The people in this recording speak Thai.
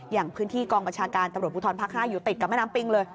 อย่างพื้นที่กองประชาการตำรวจภูทรภาค๕อยู่ติดกับแม่น้ำปิงเลย